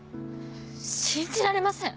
⁉信じられません。